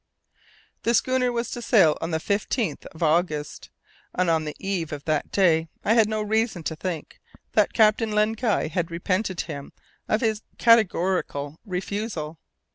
The schooner was to sail on the 15th of August, and on the eve of that day I had no reason to think that Captain Len Guy had repented him of his categorical refusal.